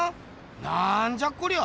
なんじゃこりゃ。